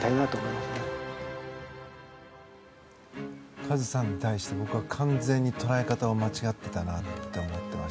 カズさんに対して僕は完全に捉え方を間違っていたなと思います。